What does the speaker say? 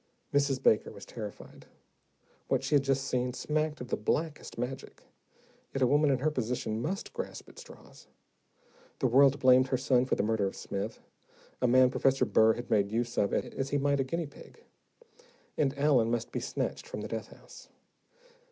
Mrs. Baker was terrified. What she had just seen, smacked of the blackest magic yet a woman in her position must grasp at straws. The world blamed her son for the murder of Smith, a man Professor Burr had made use of as he might a guinea pig, and Allen must be snatched from the death house.